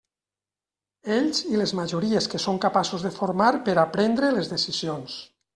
Ells i les majories que són capaços de formar per a prendre les decisions.